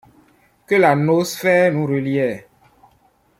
Que la noosphère nous reliait.